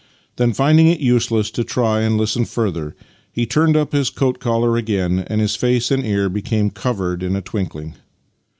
Then, finding it useless to try and hsten further, he turned up his coat collar again, and his face and ear became covered in a twinkling.